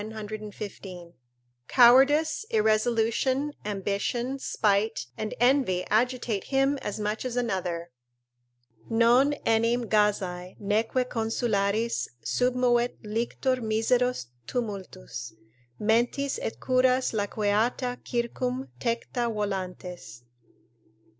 ] cowardice, irresolution, ambition, spite, and envy agitate him as much as another: "Non enim gazae, neque consularis Submovet lictor miseros tumultus Mentis, et curas laqueata circum Tecta volantes."